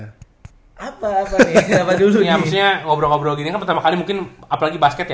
ya maksudnya ngobrol ngobrol gini kan pertama kali mungkin apalagi basket ya